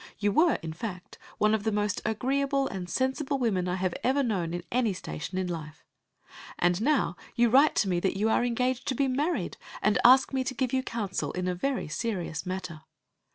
You were, in fact, one of the most agreeable and sensible women I have ever known in any station in life. And now you write me that you are engaged to be married, and ask me to give you counsel in a very serious matter.